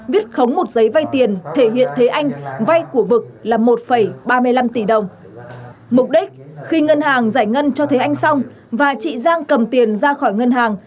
viết khống một giấy vay tiền thể hiện thế anh vay của vực là một ba mươi năm tỷ đồng mục đích khi ngân hàng giải ngân cho thấy anh xong và chị giang cầm tiền ra khỏi ngân hàng